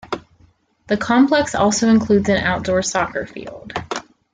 The complex also includes an outdoor soccer field.